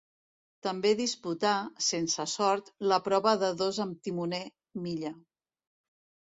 També disputà, sense sort, la prova de dos amb timoner, milla.